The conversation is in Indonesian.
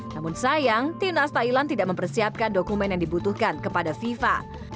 namun sayang timnas thailand tidak mempersiapkan dokumen yang dibutuhkan kepada fifa